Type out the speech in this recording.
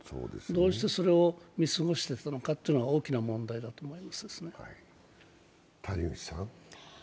どうしてそれを見過ごしてたのかは大きな問題だと思いますね。